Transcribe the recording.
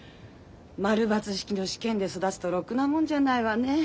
○×式の試験で育つとろくなもんじゃないわね。